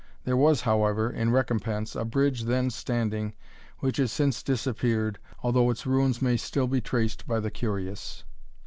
There was, however, in recompense, a bridge then standing which has since disappeared, although its ruins may still be traced by the curious.